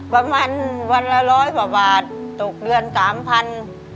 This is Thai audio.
ประมาณวันละร้อยกว่าบาทตกเดือนสามพัน